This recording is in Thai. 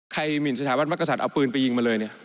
หมินสถาบันมักกษัตริย์เอาปืนไปยิงมาเลยเนี่ย